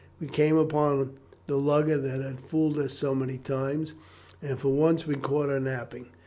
We came upon the lugger that has fooled us so many times, and for once we caught her napping.